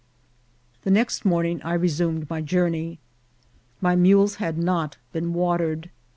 The next morning I resumed my journey. My mules had not been watered.